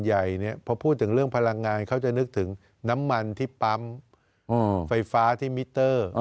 พอพูดถึงเรื่องพลังงานเขาจะนึกถึงน้ำมันที่ปั๊มไฟฟ้าที่มิเตอร์